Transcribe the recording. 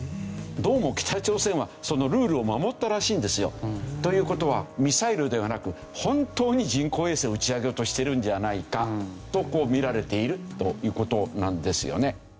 どうも北朝鮮はそのルールを守ったらしいんですよ。という事はミサイルではなく本当に人工衛星を打ち上げようとしているんじゃないかと見られているという事なんですよね。